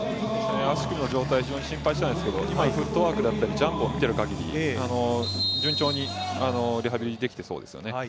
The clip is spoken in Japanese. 足首の状態、非常に不安でしたが今のフットワークだったりジャンプをみているかぎり順調にリハビリができていそうですね。